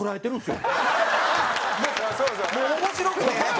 もう面白くて？